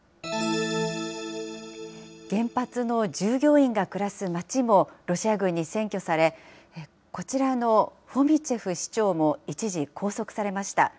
原発の従業員が暮らす町もロシア軍に占拠され、こちらのフォミチェフ市長も、一時拘束されました。